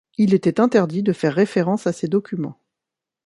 Il était interdit de faire référence à ces documents.